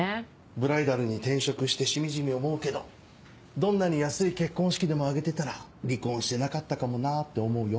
ブライダルに転職してしみじみ思うけどどんなに安い結婚式でも挙げてたら離婚してなかったかもなって思うよ。